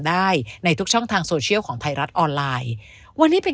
ได้ในทุกช่องทางโซเชียลของไทยรัฐออนไลน์วันนี้เป็น